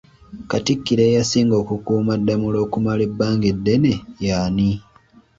Katikkiro eyasinga okukuuma Ddamula okumala ebbanga eddene yali ani?